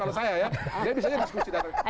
kalau saya ya